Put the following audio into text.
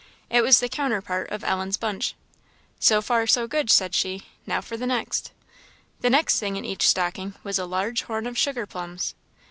It was the counterpart of Ellen's bunch. "So far, so good," said she. "Now for the next." The next thing in each stocking was a large horn of sugar plums.